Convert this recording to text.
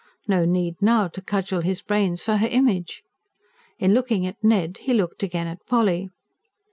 No need, now, to cudgel his brains for her image! In looking at Ned, he looked again at Polly.